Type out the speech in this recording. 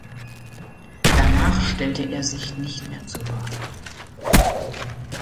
Danach stellte er sich nicht mehr zur Wahl.